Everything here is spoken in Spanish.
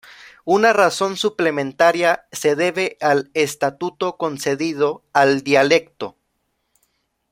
Una razón suplementaria se debe al estatuto concedido al dialecto.